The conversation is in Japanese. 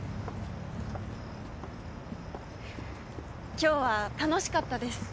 今日は楽しかったです。